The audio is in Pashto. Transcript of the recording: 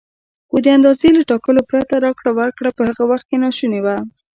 خو د اندازې له ټاکلو پرته راکړه ورکړه په هغه وخت کې ناشونې وه.